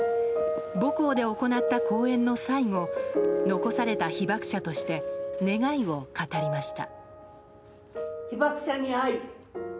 母校で行った講演の最後残された被爆者として願いを語りました。